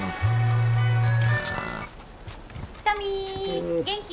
「トミー元気？